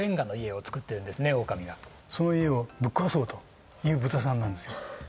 その家をぶっ壊そうというブタさんなんですよ